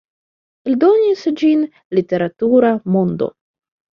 Eldonis ĝin Literatura Mondo.